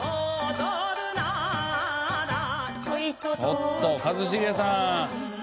ちょっと一茂さん。